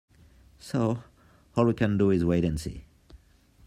So, all we can do is wait and see.